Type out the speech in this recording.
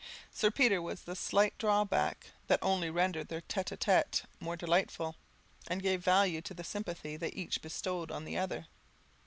Sir Peter was the slight drawback that only rendered their tête à tête more delightful, and gave value to the sympathy they each bestowed on the other.